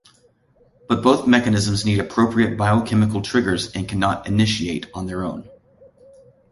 But both mechanisms need appropriate biochemical triggers and cannot initiate on their own.